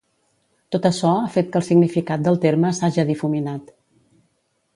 Tot açò ha fet que el significat del terme s'haja difuminat.